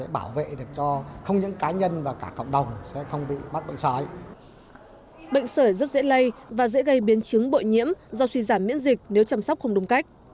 bệnh sởi rất dễ lây và dễ gây biến chứng bội nhiễm do suy giảm miễn dịch nếu chăm sóc không đúng cách